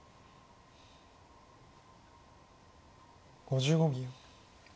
５５秒。